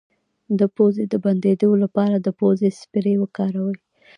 د پوزې د بندیدو لپاره د پوزې سپری وکاروئ